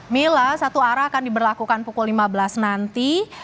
mila satu arah akan diberlakukan pukul lima belas nanti